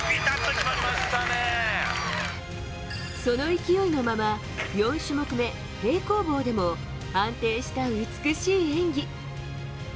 その勢いのまま、４種目め平行棒でも安定した美しい演技。